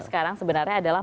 sekarang sebenarnya adalah